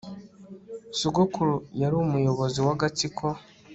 Sogokuru yari umuyobozi wagatsiko